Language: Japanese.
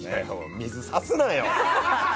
水をさすなよ！